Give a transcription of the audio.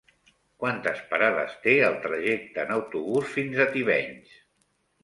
Quantes parades té el trajecte en autobús fins a Tivenys?